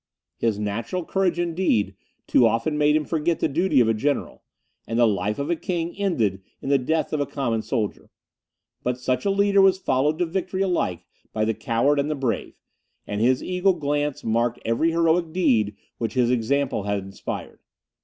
His natural courage, indeed, too often made him forget the duty of a general; and the life of a king ended in the death of a common soldier. But such a leader was followed to victory alike by the coward and the brave, and his eagle glance marked every heroic deed which his example had inspired.